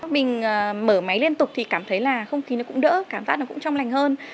mình mở máy liên tục thì cảm thấy là không khí nó cũng đỡ cảm giác nó cũng trong lành hơn